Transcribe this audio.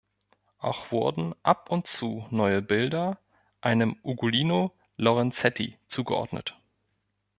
Auch wurden ab und zu neue Bilder einem Ugolino Lorenzetti zugeordnet.